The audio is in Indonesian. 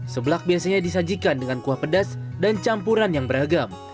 seblak biasanya disajikan dengan kuah pedas dan campuran yang beragam